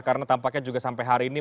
karena tampaknya juga sampai hari ini